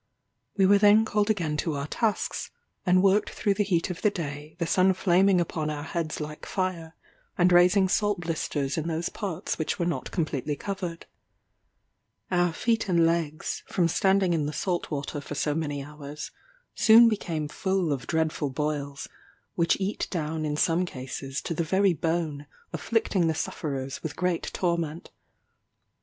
We were then called again to our tasks, and worked through the heat of the day; the sun flaming upon our heads like fire, and raising salt blisters in those parts which were not completely covered. Our feet and legs, from standing in the salt water for so many hours, soon became full of dreadful boils, which eat down in some cases to the very bone, afflicting the sufferers with great torment.